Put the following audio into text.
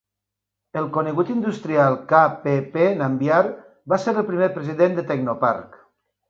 El conegut industrial K. P. P. Nambiar va ser el primer president de Technopark.